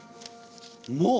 もう！？